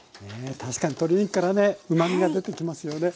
確かに鶏肉からねうまみが出てきますよね。